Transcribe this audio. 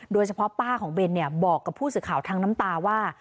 โดยเฉพาะป้าของเบนบอกกับผู้สื่อข่าวทั้งน้ำตาว่า